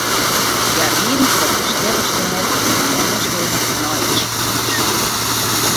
Hja rieden troch de stille stêd yn moarnssfear nei it sikehús.